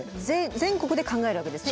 全国で考えるわけですね？